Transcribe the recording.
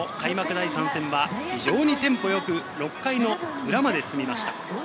第３戦はテンポよく６回裏まで進みました。